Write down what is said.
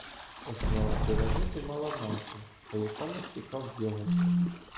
Основа піраміди мала нахил, по якому стікав дьоготь.